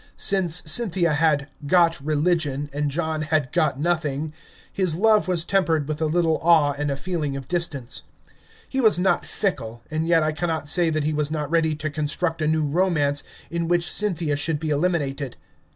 Since Cynthia had "got religion" and John had got nothing, his love was tempered with a little awe and a feeling of distance. He was not fickle, and yet I cannot say that he was not ready to construct a new romance, in which Cynthia should be eliminated.